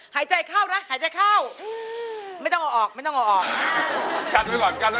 หายใจเข้านะหายใจเข้าไม่ต้องเอาออกไม่ต้องเอาออก